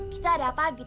kita ada pagi